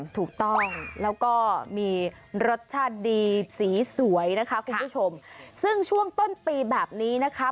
ถูกต้องแล้วก็มีรสชาติดีสีสวยนะคะคุณผู้ชมซึ่งช่วงต้นปีแบบนี้นะคะ